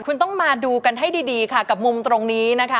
คุณต้องมาดูกันให้ดีค่ะกับมุมตรงนี้นะคะ